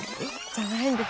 「じゃないんです」